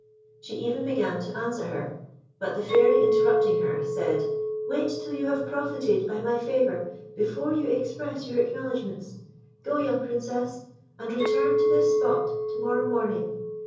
She even began to answer her; but the Fairy interrupting her, said, "Wait till you have profited by my favour before you express your acknowledgments. Go, young Princess, and return to this spot to morrow morning.